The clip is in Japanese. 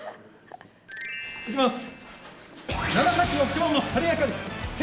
いきます。